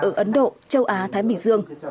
ở ấn độ châu á thái bình dương